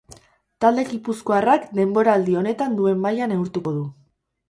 Talde gipuzkoarrak denboraldi honetan duen maila neurtuko du.